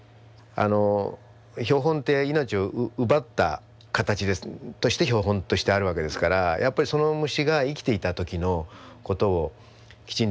標本って命を奪った形として標本としてあるわけですからやっぱりその虫が生きていた時のことをきちんと表現してあげるというか。